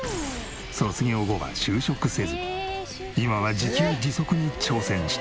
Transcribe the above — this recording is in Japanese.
卒業後は就職せず今は自給自足に挑戦している。